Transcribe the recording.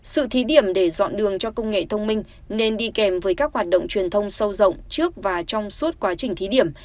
sự thí điểm để dọn đường cho công nghệ thông minh nên đi kèm với các hoạt động truyền thông sâu rộng trước và trong suốt quá trình thí điểm